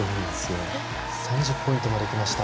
３０ポイントまでいきました。